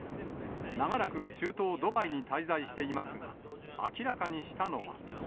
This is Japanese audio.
長らく中東ドバイに滞在していますが、明らかにしたのは。